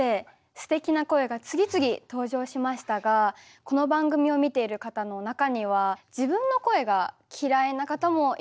すてきな声が次々登場しましたがこの番組を見ている方の中には自分の声が嫌いな方もいると思います。